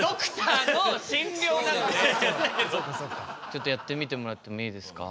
ちょっとやってみてもらってもいいですか？